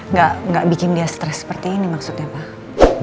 nggak bikin dia stres seperti ini maksudnya pak